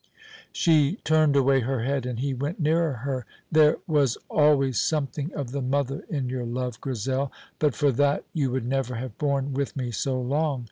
She turned away her head, and he went nearer her. "There was always something of the mother in your love, Grizel; but for that you would never have borne with me so long.